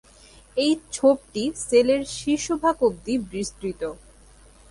এই ছোপটি সেল এর শীর্ষভাগ অবধি বিস্তৃত।